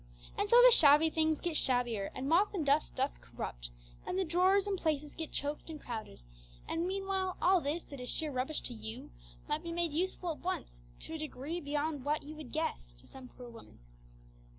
And so the shabby things get shabbier, and moth and dust doth corrupt, and the drawers and places get choked and crowded; and meanwhile all this that is sheer rubbish to you might be made useful at once, to a degree beyond what you would guess, to some poor person.